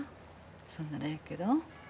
そんならええけど。